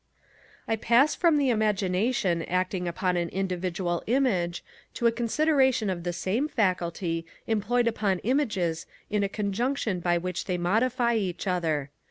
I pass from the Imagination acting upon an individual image to a consideration of the same faculty employed upon images in a conjunction by which they modify each other.